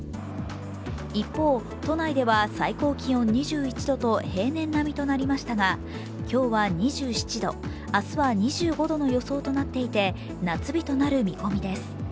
一方、都内では最高気温２１度と平年並みとなりましたが、今日は２７度、明日は２５度の予想となっていて、夏日となる見込みです。